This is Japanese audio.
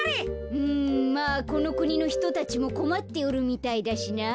うんまあこのくにのひとたちもこまっておるみたいだしなあ。